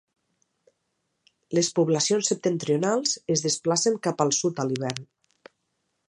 Les poblacions septentrionals es desplacen cap al sud a l'hivern.